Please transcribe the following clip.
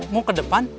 mau ke depan